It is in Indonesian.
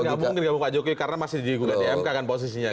tapi dia gabung dengan pak jokowi karena masih di gugatan pmk kan posisinya